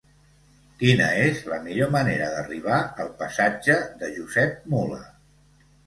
Quina és la millor manera d'arribar al passatge de Josep Mula?